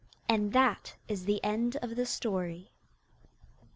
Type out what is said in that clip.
And that is the end of the story.